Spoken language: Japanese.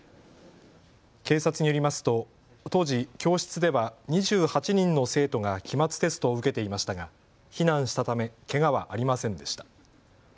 警察によりますと当時、教室では２８人の生徒が期末テストを受けていましたが避難したためけがはありませんでした。